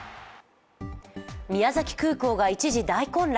宮崎空港が一時、大混乱。